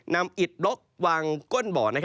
นำอิดล๊อกวางก้นบ่อ